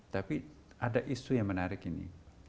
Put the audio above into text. tapi ada isu yang menarik ini